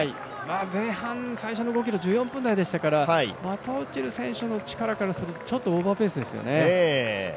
前半最初の５ｋｍ１４分台でしたから、バトオチル選手の力からすると、オーバーペースですね。